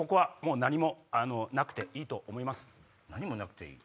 何もなくていい？